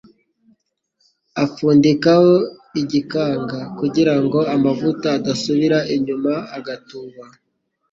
Apfundikaho igikanga kugirango amavuta adasubira inyuma agatuba